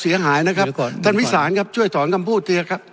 เสียหายนะครับตั้นวิสานครับ